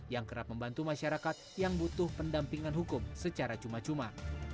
yang kerap membantu masyarakat yang butuh pendampingan hukum secara cuma cuma